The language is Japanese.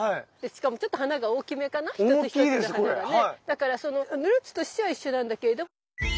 だからそのルーツとしては一緒なんだけれど。